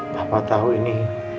bapak tahu ini